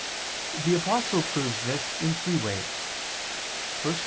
The Apostle proves this in three ways (1 Cor.